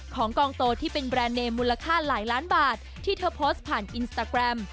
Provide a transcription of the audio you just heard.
กองโตที่เป็นแบรนด์เนมมูลค่าหลายล้านบาทที่เธอโพสต์ผ่านอินสตาแกรม